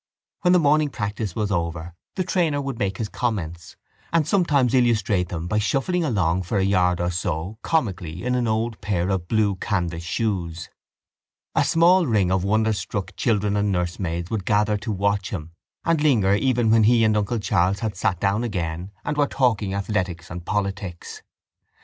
When the morning practice was over the trainer would make his comments and sometimes illustrate them by shuffling along for a yard or so comically in an old pair of blue canvas shoes. A small ring of wonderstruck children and nursemaids would gather to watch him and linger even when he and uncle Charles had sat down again and were talking athletics and politics.